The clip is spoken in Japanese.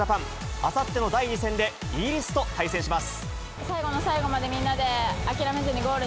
あさっての第２戦で、イギリスと対戦します。